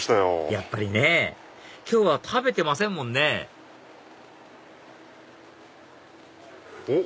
やっぱりね今日は食べてませんもんねおっ！